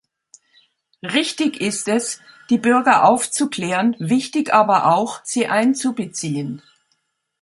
Richtig ist es, die Bürger aufzuklären, wichtig aber auch, sie einzubeziehen.